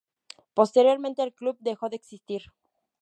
Posteriormente el club dejó de existir.